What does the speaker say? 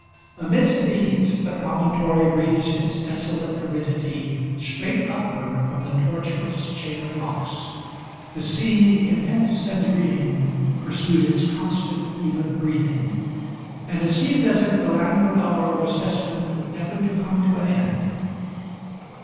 Amidst the heat the promontory raised its desolate aridity straight upward from the tortuous chain of rocks. The sea, immense and green, pursued its constant, even breathing. And it seemed as if the languid hour was destined never to come to an end.